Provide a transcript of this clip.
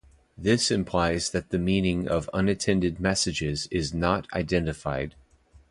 This implies that the meaning of unattended messages is not identified.